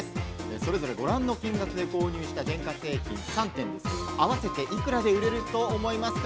それぞれご覧の金額で購入した電化製品３点、合わせていくらで売れると思いますか？